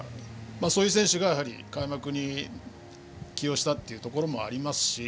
そういう選手を開幕に起用したというところもありますし。